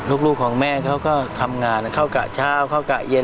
ลูกของแม่เขาก็ทำงานเข้ากะเช้าเข้ากะเย็น